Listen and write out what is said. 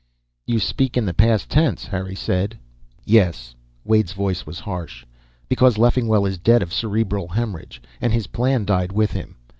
"You speak in the past tense," Harry said. "Yes." Wade's voice was harsh. "Because Leffingwell is dead, of cerebral hemorrhage. And his plan died with him.